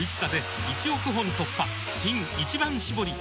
新「一番搾り」